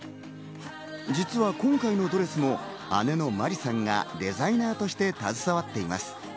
実は今回のドレスも姉のまりさんがデザイナーとして携わっています。